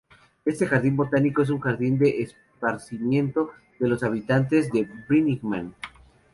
Este jardín botánico es un jardín de esparcimiento de los habitantes de Birmingham.